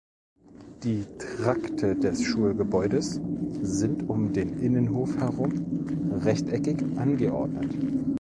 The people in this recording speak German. Die Trakte des Schulgebäudes sind um den Innenhof herum rechteckig angeordnet.